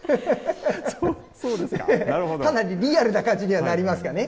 かなりリアルな感じにはなりますかね。